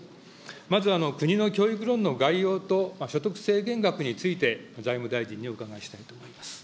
まず国の教育ローンの概要と所得制限額について、財務大臣にお伺いしたいと思います。